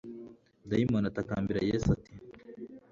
dayimoni atakambira Yesu ati